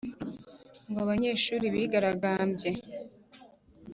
ngo abanyeshuli bigaragambye